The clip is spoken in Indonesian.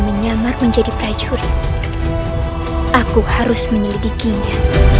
menyamar menjadi prajurit aku harus menyelidikinya